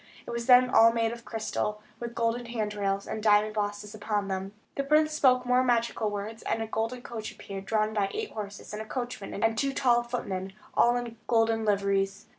It was all made of crystal, with golden hand rails, and diamond bosses upon them. The princess spoke some more magical words, and a golden coach appeared, drawn by eight horses, and a coachman, and two tall footmen, all in golden liveries.